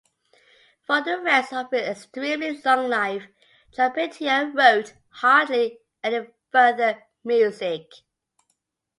For the rest of his extremely long life, Charpentier wrote hardly any further music.